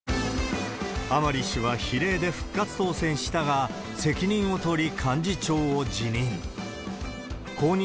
甘利氏は比例で復活当選したが、責任を取り、幹事長を辞任。